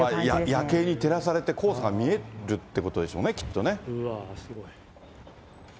夜景に照らされて、黄砂が見えるってことでしょうね、きっとね。